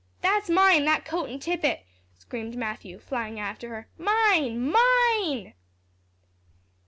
"That's mine, that coat and tippet!" screamed Matthew, flying after her; "mine mine!"